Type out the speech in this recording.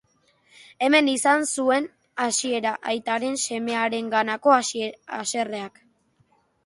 Hemen izan zuen hasiera aitaren semearenganako haserreak.